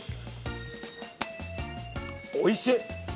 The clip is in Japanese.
おいしい。